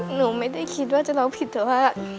หนูไม่ได้คิดว่าจะร้องผิดแต่ว่า